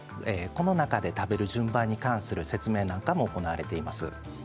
この中で食べる順番に関する説明なんかも行われています。